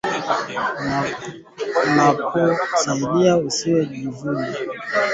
Unapo saidia usi jivune